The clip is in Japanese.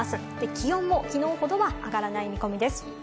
気温も昨日よりは上がらない見込みです。